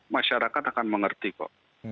masyarakat akan mengerti kok